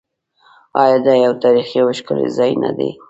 آیا دا یو تاریخي او ښکلی ځای نه دی؟